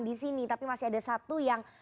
di sini tapi masih ada satu yang